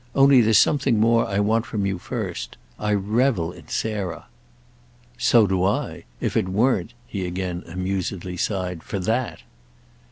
Only there's something more I want from you first. I revel in Sarah." "So do I. If it weren't," he again amusedly sighed, "for that—!"